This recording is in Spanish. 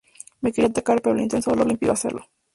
Me quería atacar pero el intenso dolor le impidió hacerlo.